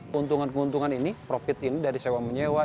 keuntungan keuntungan ini profit ini dari sewa menyewa